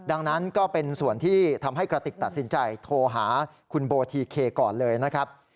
ดังนั้นก็เป็นส่วนที่ทำให้กระติกตัดสินใจโทรหาคุณโบทีเคก่อนเลยนะครับ